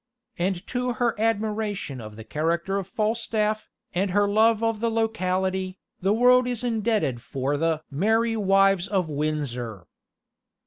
And to her admiration of the character of Falstaff, and her love of the locality, the world is indebted for the "Merry Wives of Windsor."